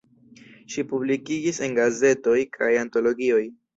Ŝi publikigis en gazetoj kaj antologioj.